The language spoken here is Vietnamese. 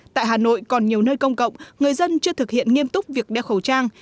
tại hà nội còn nhiều nơi công cộng người dân chưa thực hiện nghiêm túc việc đeo khẩu trang